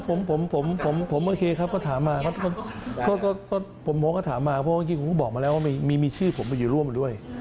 ผมโม้ก็ถามมาเพราะเมื่อกี้คุณก็บอกมาแล้วว่ามีชื่อผมไปอยู่ร่วมด้วย